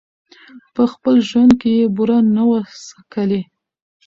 په خپل ژوند کي یې بوره نه وه څکلې